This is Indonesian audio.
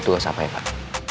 tugas apa ya pak